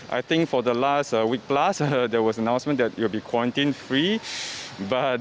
saya pikir selama beberapa minggu kemudian ada pengetahuan bahwa kita akan bebas kurantin